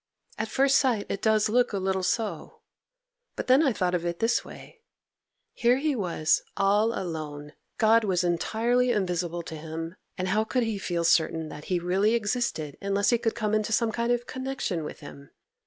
At first sight it does look a little so, but then I thought of it in this way. Here he was, all alone; God was entirely invisible to him, and how could he feel certain that He really existed unless he could come into some kind of connection with Him?